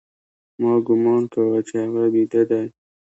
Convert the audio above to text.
ما گومان کاوه چې هغه بيده دى.